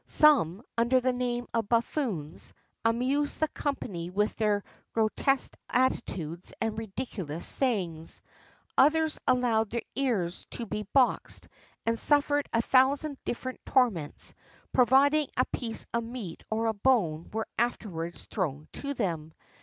Some, under the name of buffoons, amused the company with their grotesque attitudes and ridiculous sayings.[XXXIV 16] Others allowed their ears to be boxed, and suffered a thousand different torments, provided a piece of meat or a bone were afterwards thrown to them.